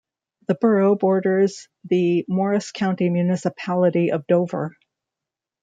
The borough borders the Morris County municipality of Dover.